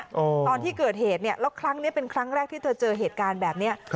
ตอนที่เกิดเหตุเนี่ยแล้วครั้งนี้เป็นครั้งแรกที่เธอเจอเหตุการณ์แบบนี้